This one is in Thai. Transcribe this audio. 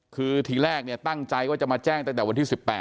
คือทีแรกเนี่ยตั้งใจว่าจะมาแจ้งตั้งแต่วันที่๑๘